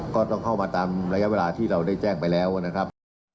ก็ต้องเข้ามาตามระยะเวลาที่เราได้แจ้งไปแล้วนะครับ